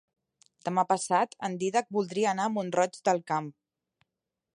Demà passat en Dídac voldria anar a Mont-roig del Camp.